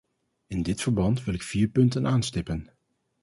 In dit verband wil ik vier punten aanstippen.